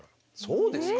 そうですか？